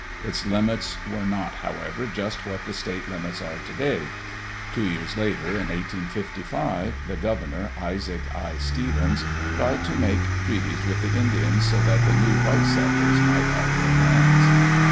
Its limits were not, however, just what the state limits are today. Two years later, in 1855, the governor, Isaac I. Stevens, tried to make treaties with the Indians so that the new white settlers might have their lands.